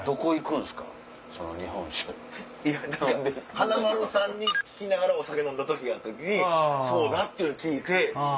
華丸さんに聞きながらお酒飲んだ時があった時にそうだっていうのを聞いて。